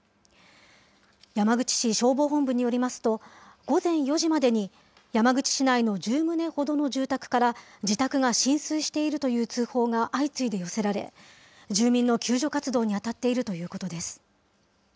山口市消防本部によりますと、午前４時までに山口市内の１０棟ほどの住宅から、自宅が浸水しているという通報が相次いで寄せられ、住民の救助活動に当たっているということです。